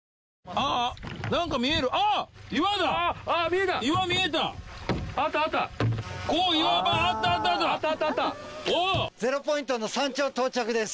あったあったゼロポイントの山頂到着です